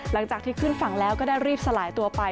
หลังจากที่ขึ้นฝั่งแล้วก็ได้รีบสลายตัวไป